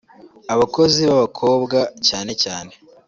Abakozi b’abakobwa cyane cyane